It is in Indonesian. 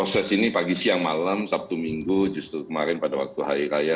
jadi kita bisa lihat kita malam sabtu minggu justru kemarin pada waktu hari raya